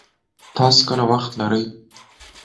تاسو کله وخت لري